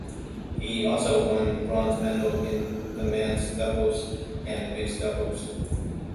He also won Bronze Medals in the men's doubles and mixed doubles.